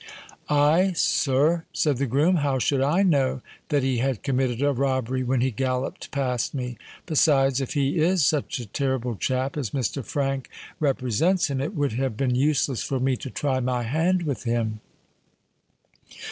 "I, sir!" said the groom. "How should I know that he had committed a robbery when he galloped past me? Besides, if he is such a terrible chap as Mr. Frank represents him, it would have been useless for me to try my hand with him."